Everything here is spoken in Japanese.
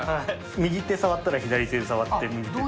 右手で触ったら左手で触って、右手って。